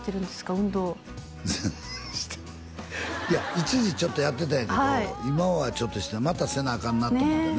運動全然してない一時ちょっとやってたんやけど今はちょっとしてないまたせなあかんなと思ってね